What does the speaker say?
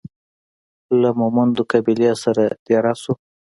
له مومندو قبیلې سره دېره سو.